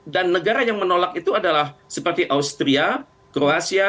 dan negara yang menolak itu adalah seperti austria kroasia